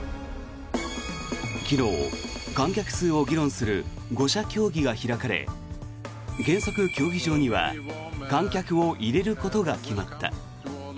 昨日、観客数を議論する５者協議が開かれ原則、競技場には観客を入れることが決まった。